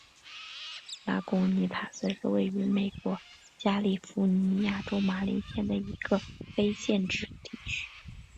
拉贡尼塔斯是位于美国加利福尼亚州马林县的一个非建制地区。